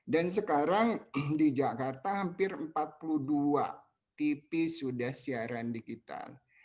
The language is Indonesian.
dan sekarang di jakarta hampir empat puluh dua tv sudah siaran digital